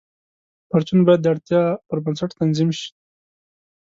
پرچون باید د اړتیا پر بنسټ تنظیم شي.